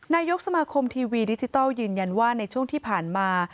นายกสมาคมทีวีดิจิทัลยืนยันว่าในช่วงที่ผ่านมา